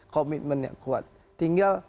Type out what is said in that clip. komitmen yang kuat tinggal